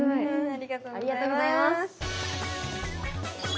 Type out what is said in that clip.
ありがとうございます。